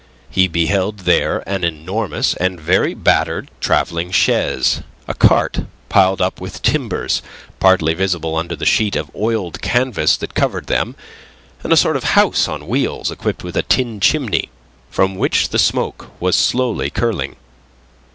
He beheld there an enormous and very battered travelling chaise, a cart piled up with timbers partly visible under the sheet of oiled canvas that covered them, and a sort of house on wheels equipped with a tin chimney, from which the smoke was slowly curling.